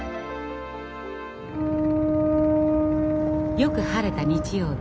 よく晴れた日曜日。